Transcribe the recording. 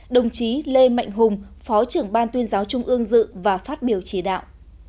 đồng chí lê mạnh hùng phó trưởng ban tuyên giáo trung ương dự và phát biểu chỉ đạo